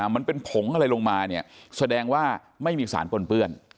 มันเป็นผงอะไรลงมาเนี่ยแสดงว่าไม่มีสารปนเปื้อน